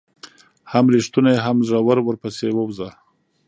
هم ريښتونى هم زړه ور ورپسي ووزه